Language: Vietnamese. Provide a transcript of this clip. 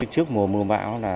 trước mùa mưa bão